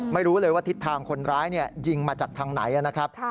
ไม่รู้เลยว่าทิศทางคนร้ายยิงมาจากทางไหนนะครับ